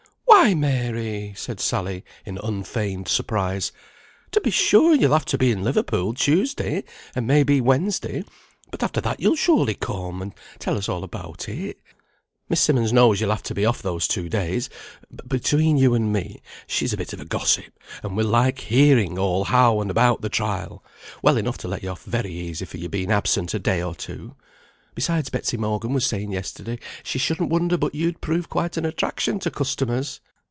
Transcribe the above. "Why, Mary!" said Sally, in unfeigned surprise. "To be sure you'll have to be in Liverpool, Tuesday, and may be Wednesday; but after that you'll surely come, and tell us all about it. Miss Simmonds knows you'll have to be off those two days. But between you and me, she's a bit of a gossip, and will like hearing all how and about the trial, well enough to let you off very easy for your being absent a day or two. Besides, Betsy Morgan was saying yesterday, she shouldn't wonder but you'd prove quite an attraction to customers.